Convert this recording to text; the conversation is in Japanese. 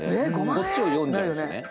こっちを読んじゃうんですね。